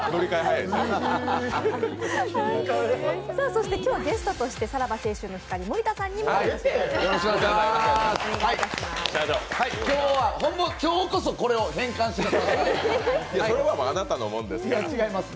そして今日はゲストとしてさらば青春の光森田さんにもお越しいただいています。